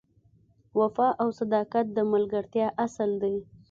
وفا او صداقت د ملګرتیا اصل دی.